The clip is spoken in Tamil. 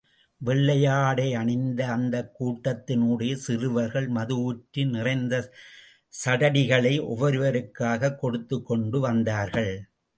வெள்ளாடையணிந்த அந்தக் கூட்டத்தின் ஊடே சிறுவர்கள், மது ஊற்றி நிறைந்த சடடிகளை ஒவ்வொருவருக்காக கொடுத்துக் கொண்டு வந்தார்கள்.